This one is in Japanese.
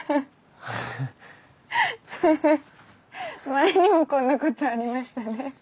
前にもこんなことありましたね。